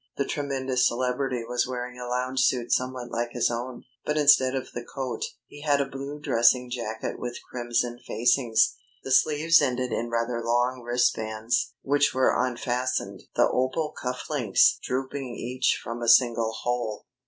The tremendous celebrity was wearing a lounge suit somewhat like his own, but instead of the coat he had a blue dressing jacket with crimson facings; the sleeves ended in rather long wristbands, which were unfastened, the opal cuff links drooping each from a single hole.